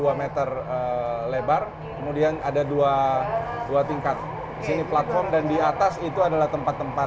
kali dua puluh dua meter lebar kemudian ada dua tingkat di sini platform dan di atas itu adalah tempat tempat